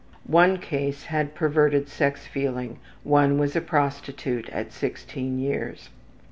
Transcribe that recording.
One case had perverted sex feeling, one was a prostitute at sixteen years.